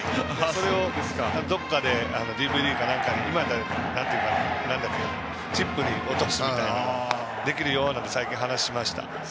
それをどこかでＤＶＤか何かにチップに落とすみたいなのができるよなんて最近、話をしました。